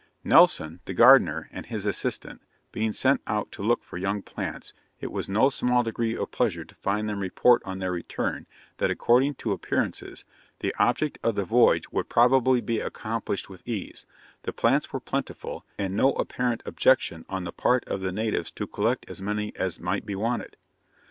Nelson, the gardener, and his assistant, being sent out to look for young plants, it was no small degree of pleasure to find them report on their return, that, according to appearances, the object of the voyage would probably be accomplished with ease; the plants were plentiful, and no apparent objection on the part of the natives to collect as many as might be wanted.